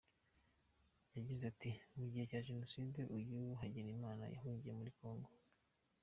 Yagize ati “mu gihe cya Jenoside uyu Hagenimana yahungiye muri Congo.